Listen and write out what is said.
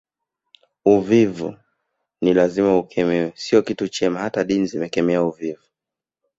Uvivu ni lazima ukemewe sio kitu chema hata dini zimekemea uvivu